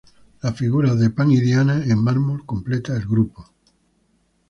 Las figuras de "Pan y Diana" en mármol completa el grupo.